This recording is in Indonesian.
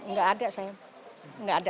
enggak ada sayang enggak ada